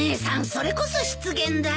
それこそ失言だよ！